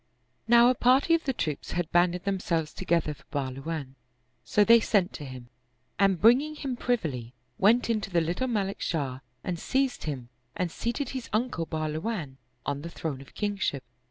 Now a party of the troops had banded themselves to gether for Bahluwan ; so they sent to him, and bringing him privily, went in to the little Malik Shah and seized him and seated his uncle Bahluwan on the throne of kingship.